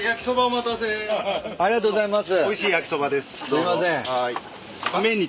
すいません。